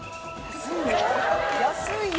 安いよ！